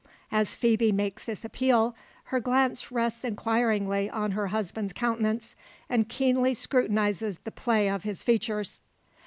As Phoebe makes this appeal, her glance rests inquiringly on her husband's countenance, and keenly scrutinises the play of his features.